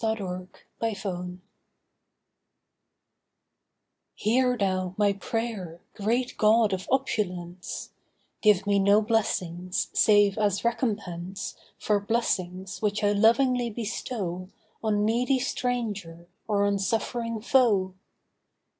THE GREATER LOVE Hear thou my prayer, great God of opulence; Give me no blessings, save as recompense For blessings which I lovingly bestow On needy stranger or on suffering foe.